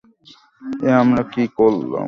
এ আমরা কী করলাম?